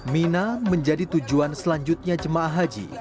mina menjadi tujuan selanjutnya jemaah haji